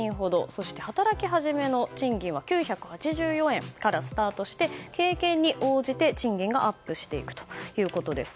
そして働き始めの賃金は９８４円からスタートして経験に応じて賃金がアップしていくということです。